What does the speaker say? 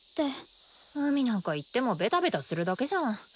海なんか行ってもベタベタするだけじゃん。